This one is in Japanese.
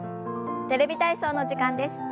「テレビ体操」の時間です。